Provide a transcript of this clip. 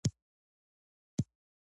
هغه لیکنه چې سم نه وي، باید اصلاح شي.